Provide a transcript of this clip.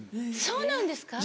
そうなんですか？